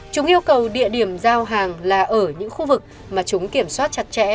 chúng yêu cầu địa điểm giao hàng là ở những khu vực mà chúng kiểm soát chặt chẽ